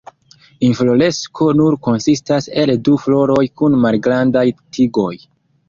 Infloresko nur konsistas el du floroj kun malgrandaj tigoj.